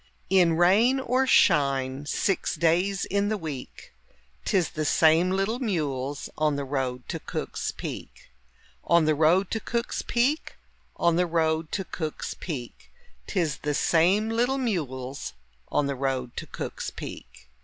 In rain or shine, six days in the week, 'Tis the same little mules on the road to Cook's Peak. On the road to Cook's Peak, On the road to Cook's Peak, 'Tis the same little mules on the road to Cook's Peak.